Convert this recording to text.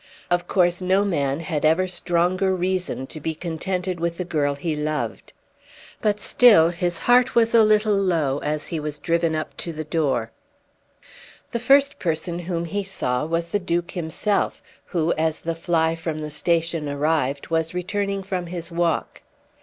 Of course no man had ever stronger reason to be contented with the girl he loved. But still his heart was a little low as he was driven up to the door. The first person whom he saw was the Duke himself, who, as the fly from the station arrived, was returning from his walk.